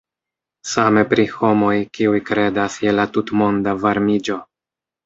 Same pri homoj, kiuj kredas je la tutmonda varmiĝo.